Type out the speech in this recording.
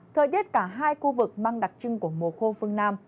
thời tiết cả hai khu vực mang đặc trưng của mùa khô phương nam